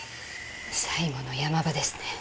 最後のヤマ場ですね。